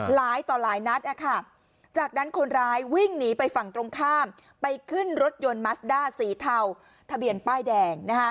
หลายต่อหลายนัดจากนั้นคนร้ายวิ่งหนีไปฝั่งตรงข้ามไปขึ้นรถยนต์มัสด้าสีเทาทะเบียนป้ายแดง